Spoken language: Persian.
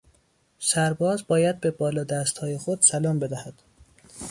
سرباز باید به بالادستهای خود سلام بدهد.